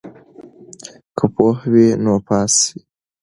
که پوهه وي نو پاس وي.